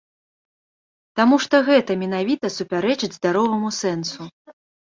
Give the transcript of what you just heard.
Таму што гэта менавіта супярэчыць здароваму сэнсу.